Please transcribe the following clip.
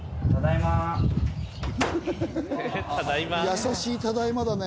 優しい「ただいま」だね。